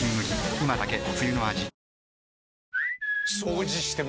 今だけ冬の味